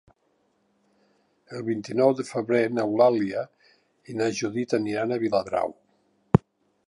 El vint-i-nou de febrer n'Eulàlia i na Judit aniran a Viladrau.